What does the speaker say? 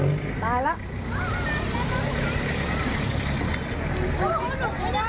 รักษณะของใครข้างโน้นอ่ะ